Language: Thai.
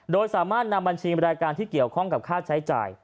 โดยสามารถนำบัญชีรายการที่เกี่ยวข้องกับค่าใช้จ่าย